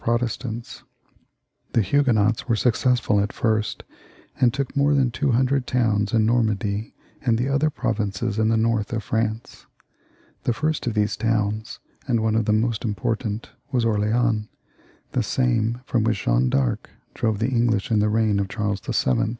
Protestants. The Huguenots were successful to begin with, and took more than two hundred towns in Normandy and the other provinces in the north of France. The first of these towns, and one of the most important, was Orleans, the same from which Jeanne D'Arc drove the English in the reign of Charles VII.